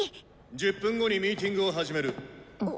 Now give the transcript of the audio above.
１０分後にミーティングを始める！